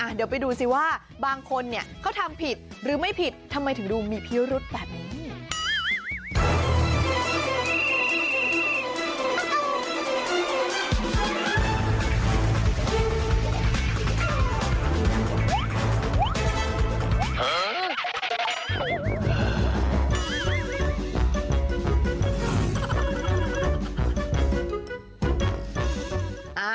เดี๋ยวไปดูสิว่าบางคนเนี่ยเขาทำผิดหรือไม่ผิดทำไมถึงดูมีพิรุธแบบนี้